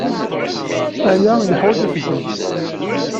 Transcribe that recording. Aya yeḥwaǧ aseggem.